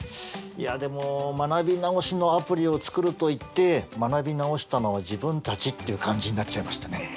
いやでも学び直しのアプリを作るといって学び直したのは自分たちっていう感じになっちゃいましたね。